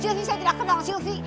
sylvie saya tidak kenal sylvie